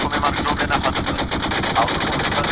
که تاسې نن سم کار وکړئ.